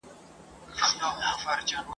نازولي د خالق یو موږ غوثان یو !.